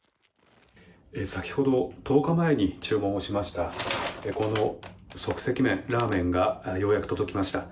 先ほど１０日前に注文しましたこの即席麺、ラーメンがようやく届きました。